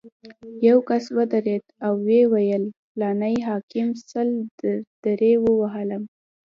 یو کس ودرېد او ویې ویل: فلاني حاکم سل درې ووهلم.